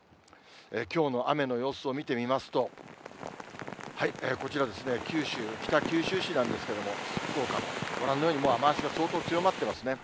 きょうの雨の様子を見てみますと、こちら九州、北九州市なんですけれども、福岡、ご覧のように、もう雨足が相当強まっていますね。